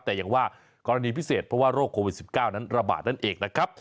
แต่อย่างว่ากรณีพิเศษเพราะว่าโรคโควิด๑๙นั้นระบาดนั่นเองนะครับ